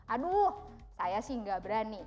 aduh saya sih gak berani